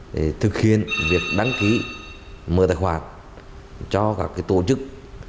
để thực hiện việc đăng ký mở tài khoản cho các tổ chức